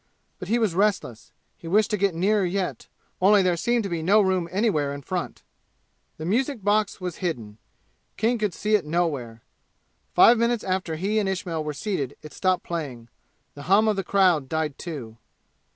But he was restless. He wished to get nearer yet, only there seemed no room anywhere in front. The music box was hidden. King could see it nowhere. Five minutes after he and Ismail were seated it stopped playing. The hum of the crowd died too.